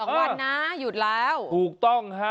๒วันนะหยุดแล้วถูกต้องฮะ